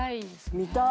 見たい！